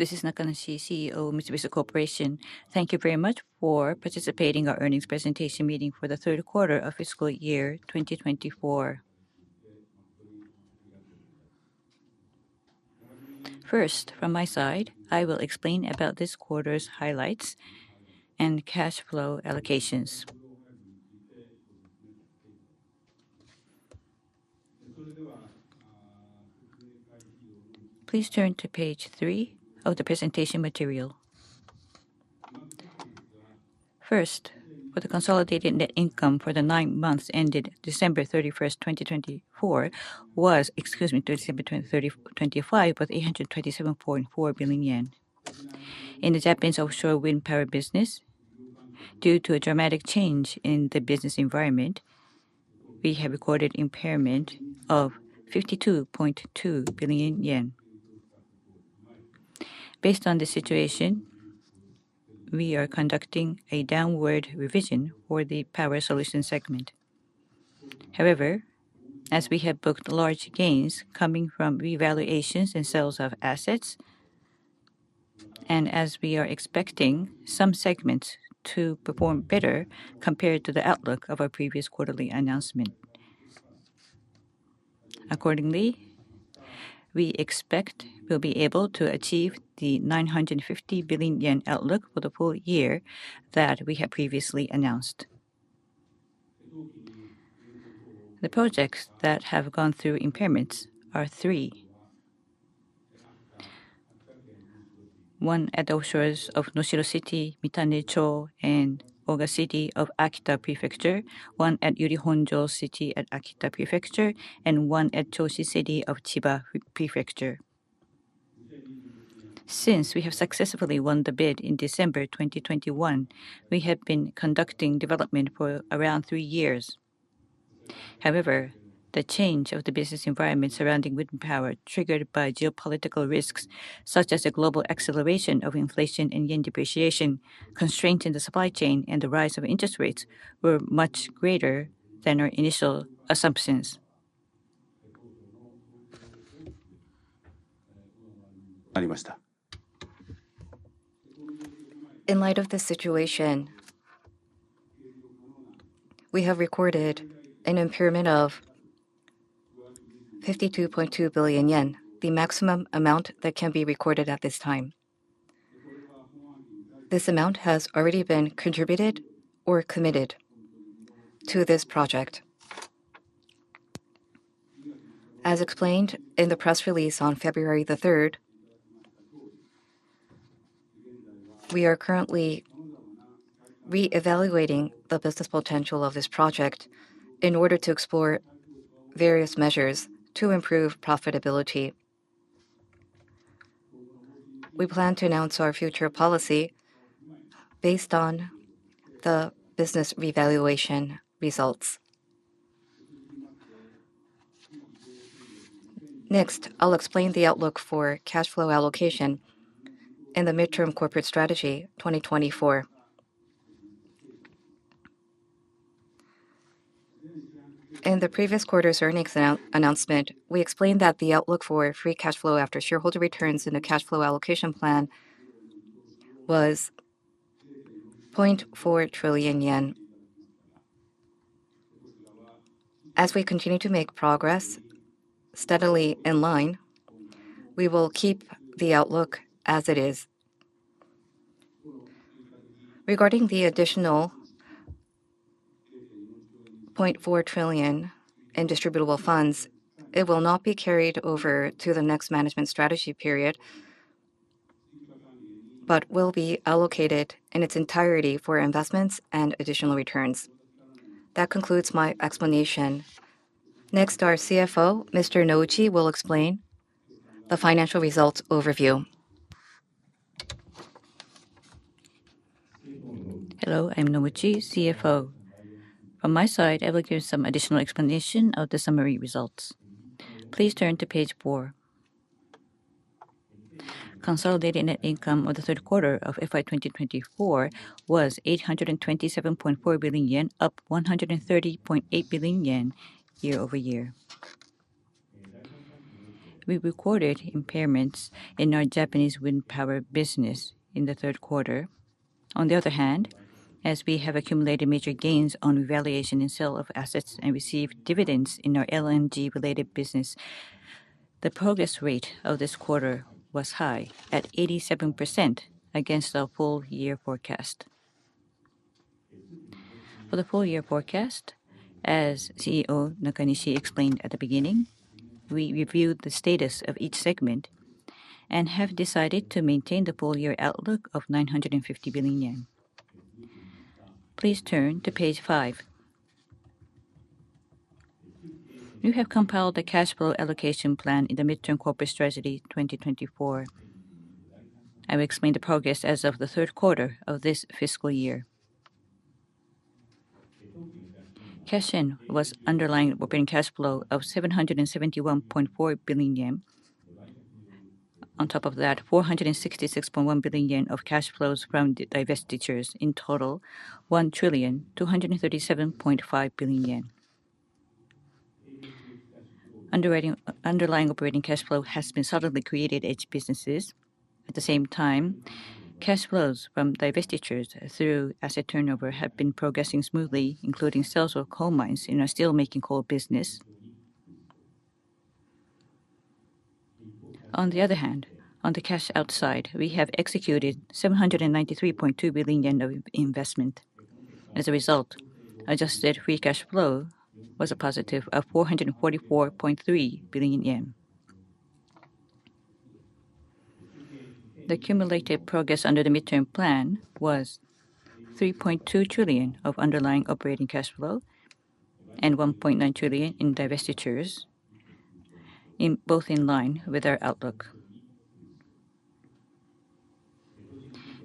This is Nakanishi, CEO of Mitsubishi Corporation. Thank you very much for participating in our earnings presentation meeting for the third quarter of fiscal year 2024. First, from my side, I will explain about this quarter's highlights and cash flow allocations. Please turn to page 3 of the presentation material. First, for the consolidated net income for the nine months ended December 31, 2024, was, excuse me, to December 2025 was 827.4 billion yen. In the Japanese offshore wind power business, due to a dramatic change in the business environment, we have recorded impairment of 52.2 billion yen. Based on the situation, we are conducting a downward revision for the Power Solution segment. However, as we have booked large gains coming from revaluations and sales of assets, and as we are expecting some segments to perform better compared to the outlook of our previous quarterly announcement, accordingly, we expect we'll be able to achieve the 950 billion yen outlook for the full year that we have previously announced. The projects that have gone through impairments are three: one at the offshore of Noshiro City, Mitane Town, and Oga City of Akita Prefecture, one at Yurihonjo City at Akita Prefecture, and one at Choshi City of Chiba Prefecture. Since we have successfully won the bid in December 2021, we have been conducting development for around three years. However, the change of the business environment surrounding wind power, triggered by geopolitical risks such as a global acceleration of inflation and yen depreciation, constraints in the supply chain, and the rise of interest rates, were much greater than our initial assumptions. In light of the situation, we have recorded an impairment of 52.2 billion yen, the maximum amount that can be recorded at this time. This amount has already been contributed or committed to this project. As explained in the press release on February the 3rd, we are currently reevaluating the business potential of this project in order to explore various measures to improve profitability. We plan to announce our future policy based on the business revaluation results. Next, I'll explain the outlook for cash flow allocation in the Midterm Corporate Strategy 2024. In the previous quarter's earnings announcement, we explained that the outlook for free cash flow after shareholder returns in the cash flow allocation plan was JPY 0.4 trillion. As we continue to make progress steadily in line, we will keep the outlook as it is. Regarding the additional 0.4 trillion in distributable funds, it will not be carried over to the next management strategy period but will be allocated in its entirety for investments and additional returns. That concludes my explanation. Next, our CFO, Mr. Nouchi, will explain the financial results overview. Hello, I'm Nouchi, CFO. From my side, I will give some additional explanation of the summary results. Please turn to page 4. Consolidated net income of the third quarter of FY 2024 was 827.4 billion yen, up 130.8 billion yen year over year. We recorded impairments in our Japanese wind power business in the third quarter. On the other hand, as we have accumulated major gains on revaluation and sale of assets and received dividends in our LNG-related business, the progress rate of this quarter was high at 87% against our full-year forecast. For the full-year forecast, as CEO Nakanishi explained at the beginning, we reviewed the status of each segment and have decided to maintain the full-year outlook of 950 billion yen. Please turn to page 5. We have compiled the cash flow allocation plan in the Midterm Corporate Strategy 2024. I will explain the progress as of the third quarter of this fiscal year. Cash in was underlying operating cash flow of 771.4 billion yen. On top of that, 466.1 billion yen of cash flows from divestitures in total, 1 trillion 237.5 billion. Underlying operating cash flow has been solidly created at each businesses. At the same time, cash flows from divestitures through asset turnover have been progressing smoothly, including sales of coal mines and steelmaking coal business. On the other hand, on the cash outside, we have executed 793.2 billion yen of investment. As a result, adjusted free cash flow was a positive of 444.3 billion yen. The cumulative progress under the midterm plan was 3.2 trillion of underlying operating cash flow and 1.9 trillion in divestitures, both in line with our outlook.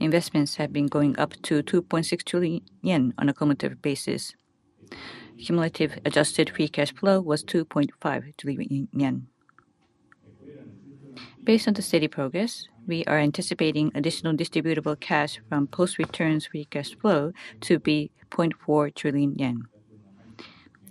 Investments have been going up to 2.6 trillion yen on a cumulative basis. Cumulative adjusted free cash flow was 2.5 trillion yen. Based on the steady progress, we are anticipating additional distributable cash from post-returns free cash flow to be 0.4 trillion yen.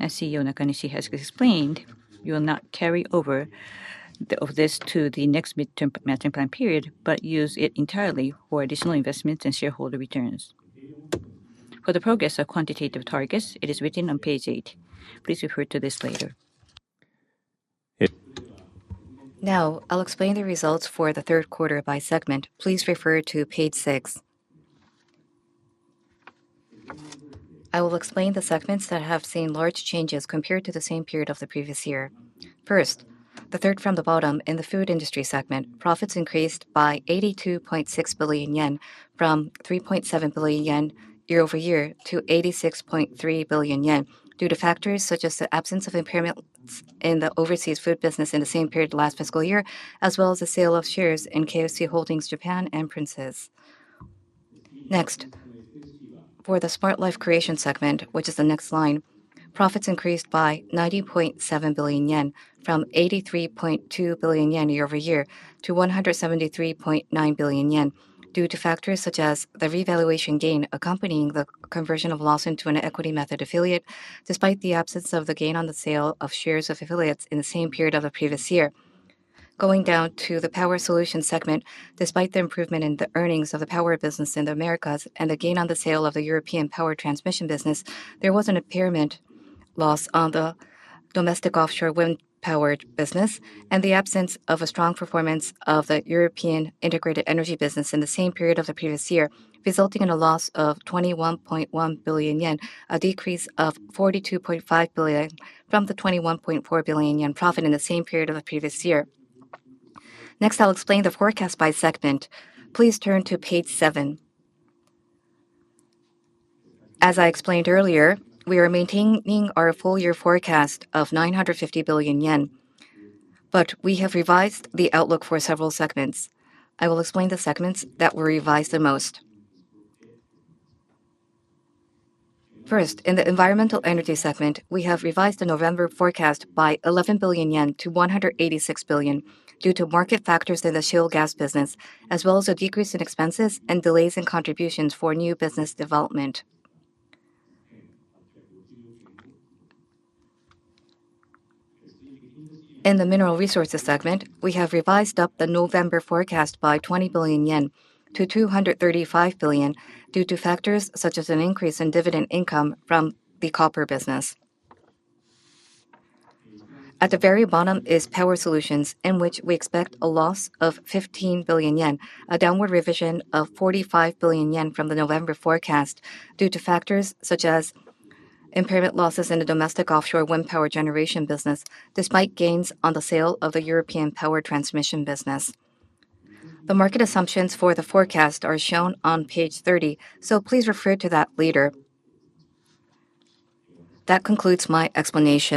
As CEO Nakanishi has explained, we will not carry over this to the next midterm management plan period but use it entirely for additional investments and shareholder returns. For the progress of quantitative targets, it is written on page 8. Please refer to this later. Now, I'll explain the results for the third quarter by segment. Please refer to page 6. I will explain the segments that have seen large changes compared to the same period of the previous year. First, the third from the bottom in the Food Industry segment, profits increased by 82.6 billion yen from 3.7 billion yen year over year to 86.3 billion yen due to factors such as the absence of impairments in the overseas food business in the same period of last fiscal year, as well as the sale of shares in KFC Holdings Japan and Princes. Next, for the Smart Life Creation segment, which is the next line, profits increased by 90.7 billion yen from 83.2 billion yen year over year to 173.9 billion yen due to factors such as the revaluation gain accompanying the conversion of Lawson into an equity method affiliate, despite the absence of the gain on the sale of shares of affiliates in the same period of the previous year. Going down to the Power Solution segment, despite the improvement in the earnings of the power business in the Americas and the gain on the sale of the European power transmission business, there was an impairment loss on the domestic offshore wind power business and the absence of a strong performance of the European integrated energy business in the same period of the previous year, resulting in a loss of 21.1 billion yen, a decrease of 42.5 billion from the 21.4 billion yen profit in the same period of the previous year. Next, I'll explain the forecast by segment. Please turn to page 7. As I explained earlier, we are maintaining our full-year forecast of 950 billion yen, but we have revised the outlook for several segments. I will explain the segments that were revised the most. First, in the Environmental Energy segment, we have revised the November forecast by 11 billion yen to 186 billion due to market factors in the shale gas business, as well as a decrease in expenses and delays in contributions for new business development. In the Mineral Resources segment, we have revised up the November forecast by 20 billion yen to 235 billion due to factors such as an increase in dividend income from the copper business. At the very bottom is Power Solution, in which we expect a loss of 15 billion yen, a downward revision of 45 billion yen from the November forecast due to factors such as impairment losses in the domestic offshore wind power generation business, despite gains on the sale of the European power transmission business. The market assumptions for the forecast are shown on page 30, so please refer to that later. That concludes my explanation.